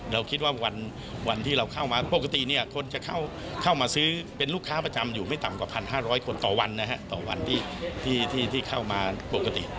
เราคิดว่าวันที่เราเข้ามาปกติเนี่ยคนจะเข้ามาซื้อเป็นลูกค้าประจำอยู่ไม่ต่ำกว่า๑๕๐๐คนต่อวันนะฮะต่อวันที่เข้ามาปกติ